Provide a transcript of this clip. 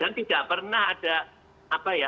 dan tidak pernah ada